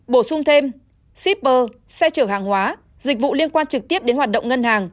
bổ sung thêm shipper xe chở hàng hóa dịch vụ liên quan trực tiếp đến hoạt động ngân hàng